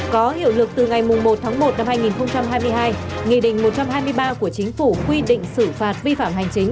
có hiệu lực từ ngày một tháng một năm hai nghìn hai mươi hai nghị định một trăm hai mươi ba của chính phủ quy định xử phạt vi phạm hành chính